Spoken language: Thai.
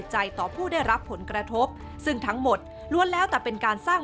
ต่อผู้ได้รับผลกระทบซึ่งทั้งหมดล้วนแล้วแต่เป็นการสร้าง